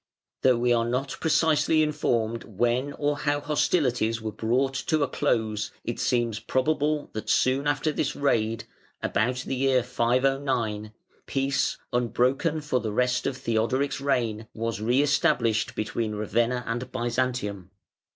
Though we are not precisely informed when or how hostilities were brought to a close, it seems probable that soon after this raid, about the year 509, peace, unbroken for the rest of Theodoric's reign, was re established between Ravenna and Byzantium.